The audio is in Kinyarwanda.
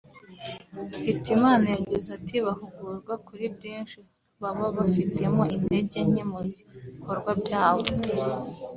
Hitimana yagize ati “Bahugurwa kuri byinshi baba bafitemo intege nke mu bikorwa byabo